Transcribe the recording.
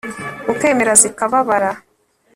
ukemera zikababara